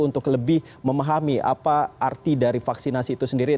untuk lebih memahami apa arti dari vaksinasi itu sendiri